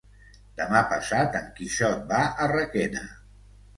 Demà passat en Quixot va a Requena.